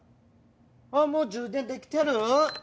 あっもう充電できてる？